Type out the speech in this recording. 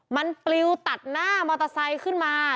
มันปลิวตัดหน้ามอเตอร์ไซค์ขึ้นมา